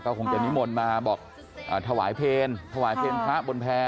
คงจะนิมนต์มาบอกถวายเพลงถวายเพลงพระบนแพร่